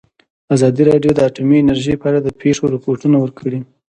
ازادي راډیو د اټومي انرژي په اړه د پېښو رپوټونه ورکړي.